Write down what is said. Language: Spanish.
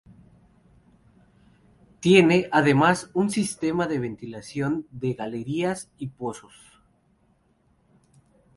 Tiene además un sistema de ventilación de galerías y pozos.